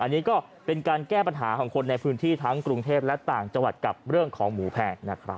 อันนี้ก็เป็นการแก้ปัญหาของคนในพื้นที่ทั้งกรุงเทพและต่างจังหวัดกับเรื่องของหมูแพงนะครับ